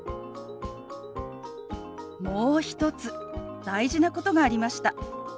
もう一つ大事なことがありました。